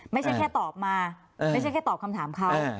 ไม่ใช่แค่ตอบมาไม่ใช่แค่ตอบคำถามเขา